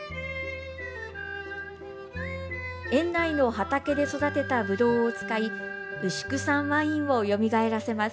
園内の畑で育てたぶどうを使い牛久産ワインをよみがえらせます。